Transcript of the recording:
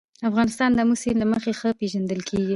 افغانستان د آمو سیند له مخې ښه پېژندل کېږي.